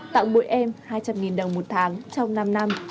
tặng bụi em hai trăm linh đồng một tháng trong năm năm